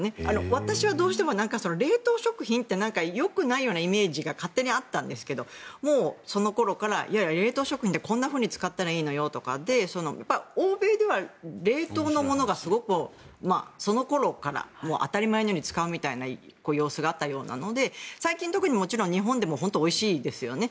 私はどうしても冷凍食品ってよくないようなイメージが勝手にあったんですけどもうその頃からいやいや、冷凍食品ってこんなふうに使ったらいいのよとか欧米では冷凍のものがすごくその頃から当たり前のように使うみたいな様子があったようなので最近、特に日本でももちろんおいしいですよね。